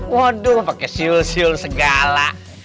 waduh pake siul siul segala